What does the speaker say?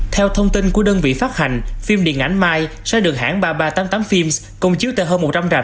theo thông tin của đơn vị phát hành phim điện ảnh mai sẽ được hãng ba nghìn ba trăm tám mươi tám films công chiếu tại hơn một trăm linh rạp